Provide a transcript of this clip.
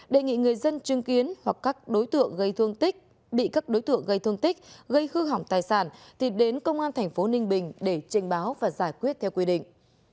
đề nghị người dân chứng kiến hoặc các đối tượng gây thương tích gây khư hỏng tài sản thì đến công an tp ninh bình để trình báo và giải quyết theo quy định